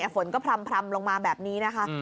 ฝนก็พร่ำลงมาแบบนี้นะคะ